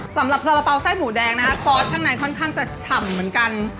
สำหรับสาระเป๋าไส้หมูแดงนะคะซอสข้างในค่อนข้างจะฉ่ำเหมือนกัน